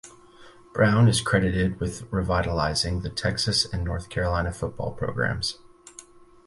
Brown is credited with revitalizing the Texas and North Carolina football programs.